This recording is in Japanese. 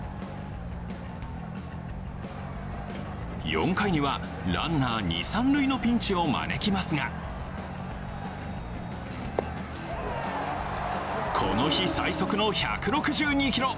４回にはランナー、二・三塁のピンチを招きますがこの日最速の１６２キロ。